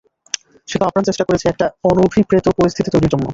সেতো আপ্রাণ চেষ্টা করেছে একটা অনভিপ্রেত পরিস্থিতি তৈরীর জন্য!